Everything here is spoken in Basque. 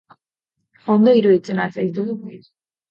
Ondo iruditzen al zaizu?